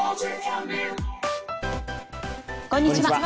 こんにちは。